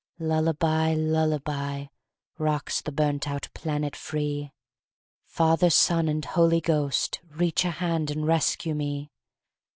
Lullabye lullabye " Rocks the burnt out planet free! Father, Son and Holy Ghost, Reach a hand and rescue me!